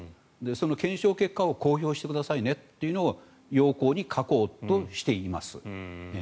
その検証結果を公表してくださいねというのを要綱に書こうとしています。